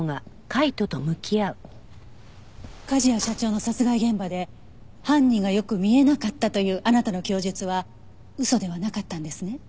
梶谷社長の殺害現場で犯人がよく見えなかったというあなたの供述は嘘ではなかったんですね？